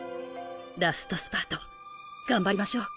ラストスパート頑張りましょう。